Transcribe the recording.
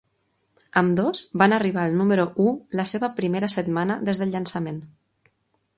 Ambdós van arribar al número u la seva primera setmana des del llançament.